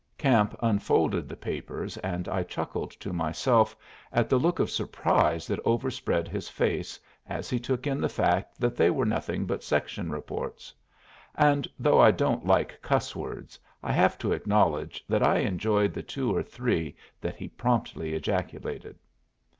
Camp unfolded the papers, and I chuckled to myself at the look of surprise that overspread his face as he took in the fact that they were nothing but section reports. And, though I don't like cuss words, I have to acknowledge that I enjoyed the two or three that he promptly ejaculated.